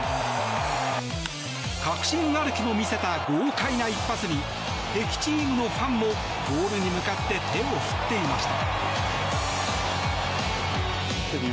確信歩きも見せた豪快な一発に敵チームのファンもボールに向かって手を振っていました。